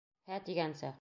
Һә тигәнсә!